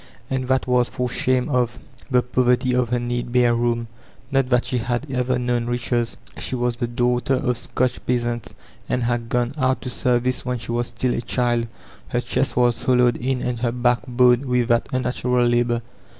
And that was for shame of the poverty of her neat bare room. Not that she had ever known riches. She was the daughter of Scotch peasants, and had gone out to service when she was st9I a child; her chest was hollowed in and her back bowed with that unnatural labor.